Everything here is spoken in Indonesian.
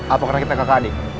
apa karena kita kakak adik